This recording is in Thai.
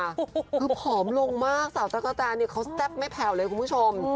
คือผอมลงมากสาวจักรจันทร์เนี่ยเขาแซ่บไม่แผ่วเลยคุณผู้ชม